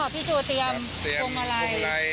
พี่ชั่วเตรียมผงไมราย